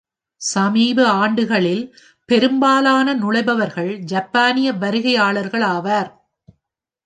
சமீப ஆண்டுகளில், பெரும்பாலான நுழைபவர்கள் ஜப்பானிய வருகையாளர்கள் ஆவர்.